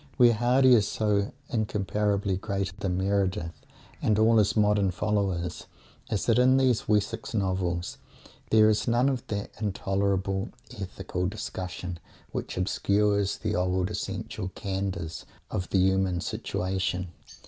Where Mr. Hardy is so incomparably greater than Meredith and all his modern followers is that in these Wessex novels there is none of that intolerable "ethical discussion" which obscures "the old essential candours" of the human situation.